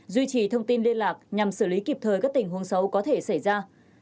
duy trì thông tin liên lạc nhằm xử lý kịp thời các tình huống xấu có thể xảy ra